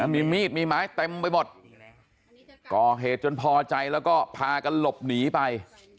มีมีดมีไม้เต็มไปหมดก่อเหตุจนพอใจแล้วก็พากันหลบหนีไป